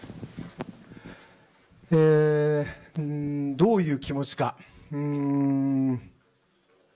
どういう気持ちか。